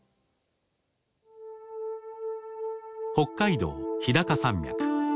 北海道日高山脈。